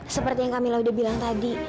seperti yang kamila udah bilang tadi